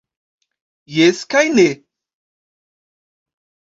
Jes kaj ne.